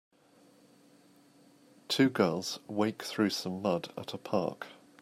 Two girls wake through some mud at a park.